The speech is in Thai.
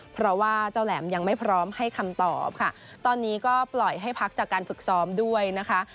เพราะว่าเจ้าแหลมยังไม่พร้อมให้คำตอบค่ะตอนนี้ก็ปล่อยให้พักจากการฝึกซ้อมด้วยนะคะ